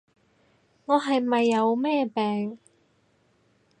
我係咪有咩病？